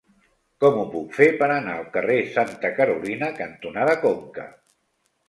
Com ho puc fer per anar al carrer Santa Carolina cantonada Conca?